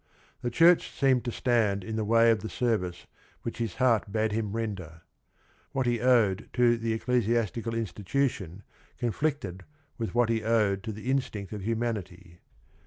The church seemed to stand in the way of the service which his heart bade him render. What he owed to the eccle siastical institution conflicted with what he owed to the instinct of humanity.